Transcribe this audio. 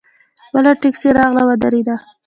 بله ټیکسي راغله ودرېده.